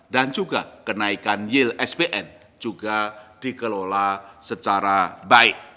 dan juga kenaikan yield spn juga dikelola secara baik